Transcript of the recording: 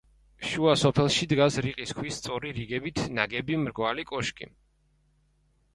შუა სოფელში დგას რიყის ქვის სწორი რიგებით ნაგები მრგვალი კოშკი.